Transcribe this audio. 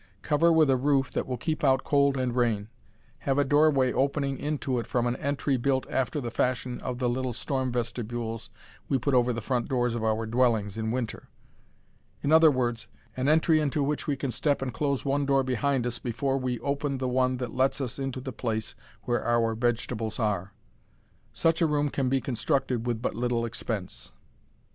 Cover with a roof that will keep out cold and rain. Have a doorway opening into it from an entry built after the fashion of the little storm vestibules we put over the front doors of our dwellings in winter. In other words, an entry into which we can step and close one door behind us before we open the one that lets us into the place where our vegetables are. Such a room can be constructed with but little expense.